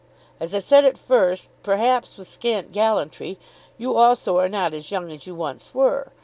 As I said at first, perhaps with scant gallantry, you also are not as young as you once were.